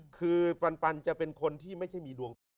คือปันจะเป็นคนที่ไม่ใช่มีดวงตก